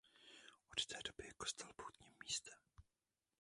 Od té doby je kostel poutním místem.